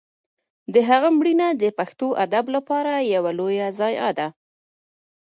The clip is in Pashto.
د هغه مړینه د پښتو ادب لپاره یوه لویه ضایعه ده.